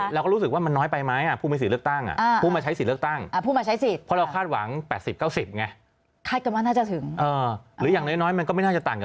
ใช่เราก็รู้สึกว่ามันน้อยไปไหมผู้มีสิทธิ์เลือกตั้งผู้มาใช้สิทธิ์เลือกตั้ง